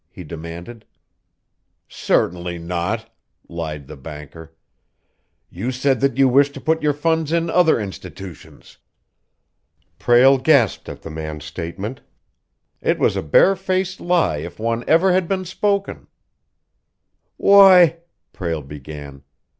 he demanded. "Certainly not," lied the banker. "You said that you wished to put your funds in other institutions." Prale gasped at the man's statement. It was a bare faced lie if one ever had been spoken. "Why " Prale began.